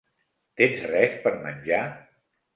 Tens res per menjar?